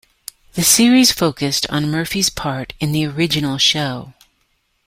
The series focused on Murphy's part in the original show.